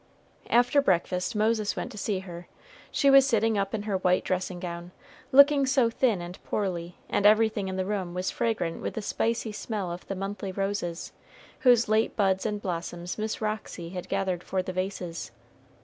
After breakfast Moses went to see her; she was sitting up in her white dressing gown, looking so thin and poorly, and everything in the room was fragrant with the spicy smell of the monthly roses, whose late buds and blossoms Miss Roxy had gathered for the vases.